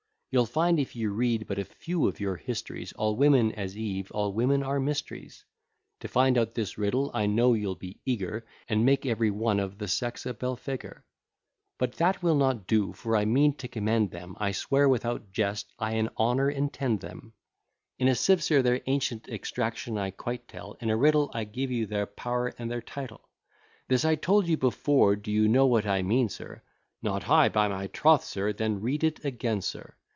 You'll find if you read but a few of your histories, All women, as Eve, all women are mysteries. To find out this riddle I know you'll be eager, And make every one of the sex a Belphegor. But that will not do, for I mean to commend them; I swear without jest I an honour intend them. In a sieve, sir, their ancient extraction I quite tell, In a riddle I give you their power and their title. This I told you before; do you know what I mean, sir? "Not I, by my troth, sir." Then read it again, sir.